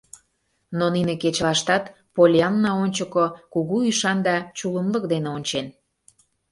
Но нине кечылаштат Поллианна ончыко кугу ӱшан да чулымлык дене ончен.